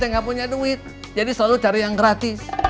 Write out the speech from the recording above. gak punya duit jadi selalu cari yang gratis